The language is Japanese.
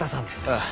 ああ。